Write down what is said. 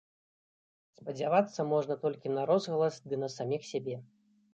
Спадзявацца можна толькі на розгалас, ды на саміх сябе.